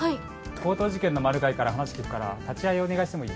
強盗事件のマルガイから話聞くから立ち合いお願いしてもいい？